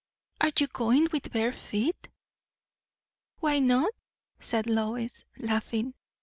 "Are you goin' with bare feet?" "Why not?" said Lois, laughing.